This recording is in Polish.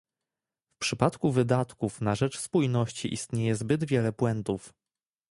W przypadku wydatków na rzecz spójności istnieje zbyt wiele błędów